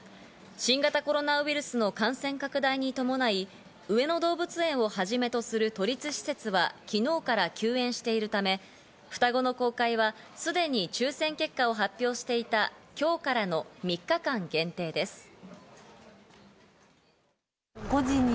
新型コロナウイルスの感染拡大に伴い、上野動物園をはじめとする都立施設は昨日から休園しているため、双子の公開はすでに抽選結果を発表していた今日からの３日間限定です。